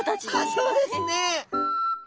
そうですね。